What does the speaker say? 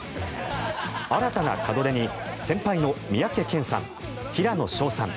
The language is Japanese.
新たな門出に先輩の三宅健さん平野紫耀さん